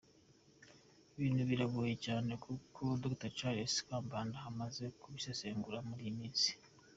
Ibintu biragoye cyane nk’uko Dr Charles Kambanda amaze kubisesengura muri iyi minsi.